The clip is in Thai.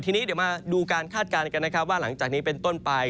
ทีนี้เดี๋ยวมาดูการคาดการณ์กันนะครับว่าหลังจากนี้เป็นต้นไป